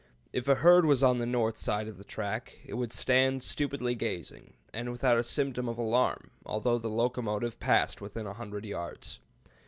If a herd was on the north side of the track, it would stand stupidly gazing, and without a symptom of alarm, although the locomotive passed within a hundred yards.